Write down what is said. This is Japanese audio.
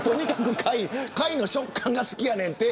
貝の食感が好きやねんて。